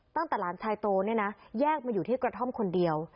หลานชายโตเนี่ยนะแยกมาอยู่ที่กระท่อมคนเดียว